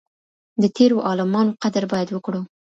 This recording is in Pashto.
د تيرو عالمانو قدر بايد وکړو.